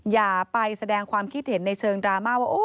อย่าไปแสดงความคิดเห็นในเชิงดราม่าว่า